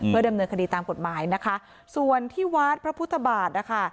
ดำเนินคดีตามกฎหมายนะคะส่วนที่วัดพระพุทธบาทนะคะ